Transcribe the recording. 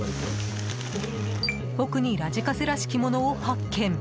奥にラジカセらしきものを発見。